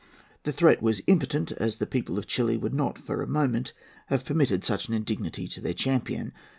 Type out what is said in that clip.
The threat was impotent, as the people of Chili would not for a moment have permitted such an indignity to their champion.